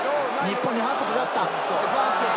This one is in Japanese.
日本に反則があった。